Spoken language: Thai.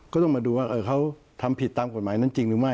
ก็ต้องมาดูว่าเขาทำผิดตามกฎหมายนั้นจริงหรือไม่